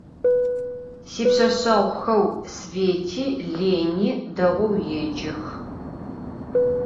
Sipşseşseğuxeu Svêti Lêni değou yêcex.